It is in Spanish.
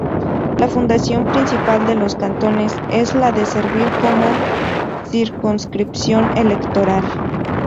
La función principal de los cantones es la de servir como circunscripción electoral.